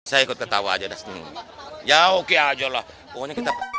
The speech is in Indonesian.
saya ikut ketawa aja dasar ini